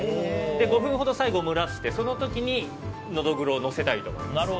５分ほど最後蒸らしてその時にノドグロをのせたいと思います。